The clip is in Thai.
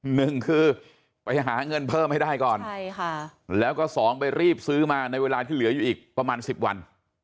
หนึ่งคือไปหาเงินเพิ่มให้ได้ก่อนใช่ค่ะแล้วก็สองไปรีบซื้อมาในเวลาที่เหลืออยู่อีกประมาณสิบวัน